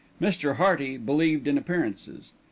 Mr. Hearty believed in appearances.